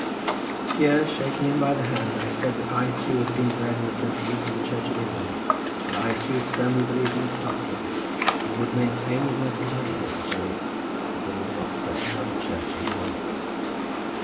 Here shaking him by the hand I said that I too had been bred up in the principles of the Church of England; that I too firmly believed in its doctrines, and would maintain with my blood, if necessary, that there was not such another church in the world.